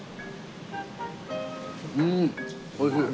うーんおいしい。